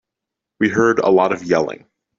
We heard a lot of yelling.